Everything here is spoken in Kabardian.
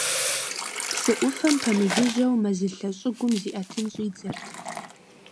Псы ӏуфэм пэмыжыжьэу мэзылъэ щӏыгум зиӏэтын щӏидзэрт.